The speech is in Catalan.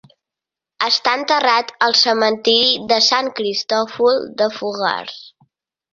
Està enterrat al cementiri de Sant Cristòfol de Fogars.